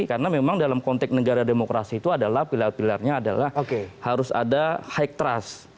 karena memang dalam konteks negara demokrasi itu adalah pilar pilarnya adalah harus ada high trust